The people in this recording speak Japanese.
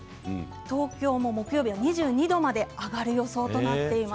東京、木曜日は２２度まで上がる予想となっています。